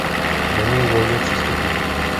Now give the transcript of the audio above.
Není volně přístupný.